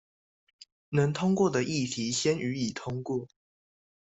能通過的議題先予以通過